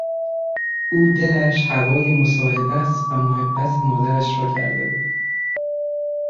او دلش هوای مصاحبت و محبت مادرش را کرده بود.